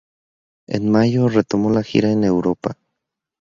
En mayo, retomó la gira en Europa.